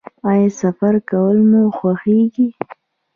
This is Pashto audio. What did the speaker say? ایا سفر کول مو خوښیږي؟